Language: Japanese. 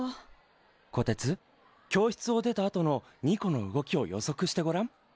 こてつ教室を出たあとのニコの動きを予測してごらん。